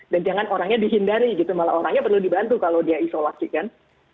dan jangan orangnya dihindari gitu malah orangnya perlu dibantu kalau dia isolasi kan